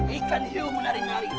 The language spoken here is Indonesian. ikan hiu menari nari